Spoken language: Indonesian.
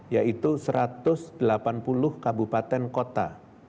yaitu satu ratus delapan puluh kabupaten kota